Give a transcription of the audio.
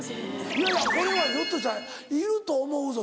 いやいやこれはひょっとしたらいると思うぞ。